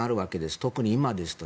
特に今ですと。